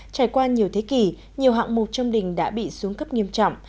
trải qua nhiều thế kỷ nhiều hạng mục trong đình đã bị xuống cấp nghiêm trọng